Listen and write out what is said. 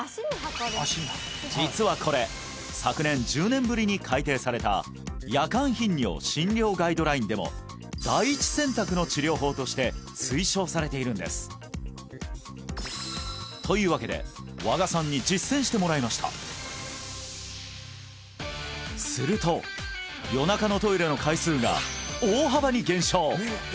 実はこれ昨年１０年ぶりに改定された「夜間頻尿診療ガイドライン」でも第一選択の治療法として推奨されているんですというわけで和賀さんに実践してもらいましたすると夜中のトイレの回数が大幅に減少！